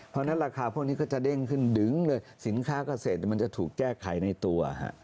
เพราะฉะนั้นราคาพวกนี้ก็จะเด้งขึ้นดึงเลยสินค้าเกษตรมันจะถูกแก้ไขในตัว